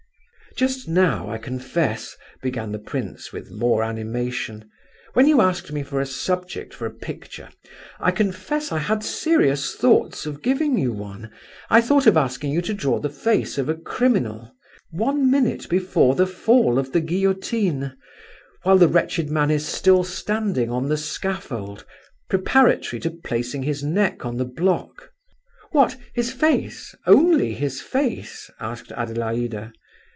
"Just now, I confess," began the prince, with more animation, "when you asked me for a subject for a picture, I confess I had serious thoughts of giving you one. I thought of asking you to draw the face of a criminal, one minute before the fall of the guillotine, while the wretched man is still standing on the scaffold, preparatory to placing his neck on the block." "What, his face? only his face?" asked Adelaida.